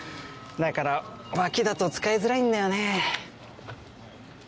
だから脇だと使いづらいんだよね。